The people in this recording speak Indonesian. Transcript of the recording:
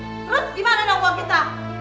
terus gimana dengan uang kita